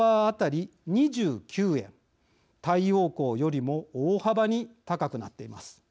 太陽光よりも大幅に高くなっています。